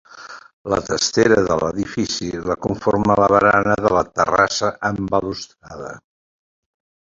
La testera de l'edifici la conforma la barana de la terrassa amb balustrada.